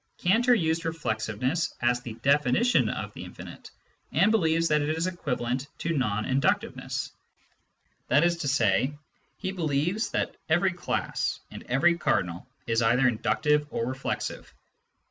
Cantor used reflexiveness as the definition of the infinite, and believes that it is equivalent to non inductiveness ; that is to say, he believes that every class and every cardinal is either inductive or reflexive.